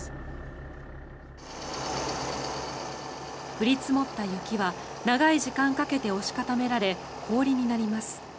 降り積もった雪は長い時間かけて押し固められ氷になります。